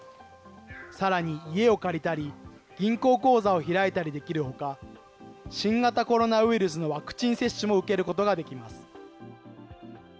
さらに、家を借りたり銀行口座を開いたりできるほか、新型コロナウイルスのワクチン接種も受けることができます。